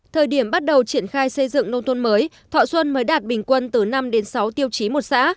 thời điểm bắt đầu triển khai xây dựng nông thôn mới thọ xuân mới đạt bình quân từ năm đến sáu tiêu chí một xã